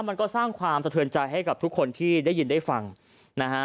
มันก็สร้างความสะเทือนใจให้กับทุกคนที่ได้ยินได้ฟังนะฮะ